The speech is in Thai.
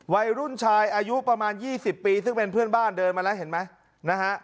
วัยรุ่นชายอายุประมาณ๒๐ปีซึ่งเป็นเพื่อนบ้านเดินมาแล้วเห็นไหมนะฮะ